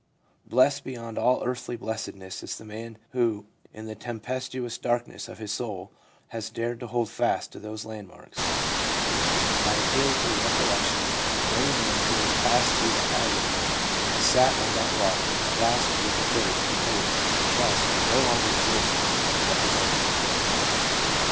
Blessed beyond all earthly blessedness is the man who, in the tempestuous darkness of his soul, has dared to hold fast to those landmarks. I appeal to the recollec tion of any man who has passed through that agony and has sat on that rock at last with a faith and hope and trust no longer traditional, but his own.'